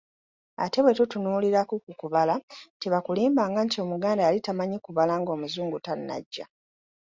Ate bwe tutunuulirako ku kubala, tebakulimbanga nti Omuganda yali tamanyi kubala ng’Omuzungu tannajja!